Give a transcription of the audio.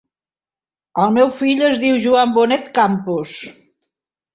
És el meu fill, es diu Joan Bonet Campos.